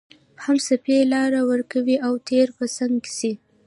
هم څپې لار ورکوي او ترې په څنګ ځي